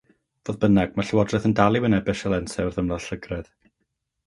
Fodd bynnag, mae'r llywodraeth yn dal i wynebu sialensiau wrth ymladd llygredd.